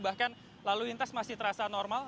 bahkan lalu lintas masih terasa normal